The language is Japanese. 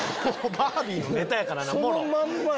バービーのネタやからなもろ。